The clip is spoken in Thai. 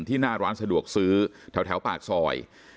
หน้าร้านสะดวกซื้อแถวปากซอย